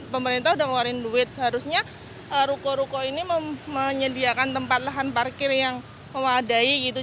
pemerintah udah ngeluarin duit seharusnya ruko ruko ini menyediakan tempat lahan parkir yang memadai gitu